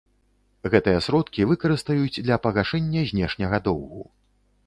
Гэтыя сродкі выкарыстаюць для пагашэння знешняга доўгу.